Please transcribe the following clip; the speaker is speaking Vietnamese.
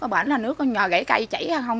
ở bãnh là nước nó gãy cây chảy ra không